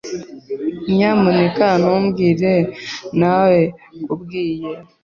Nyamuneka ntubwire nawekubwiye.